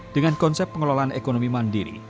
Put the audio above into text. dengan konsep pengelolaan ekonomi mandiri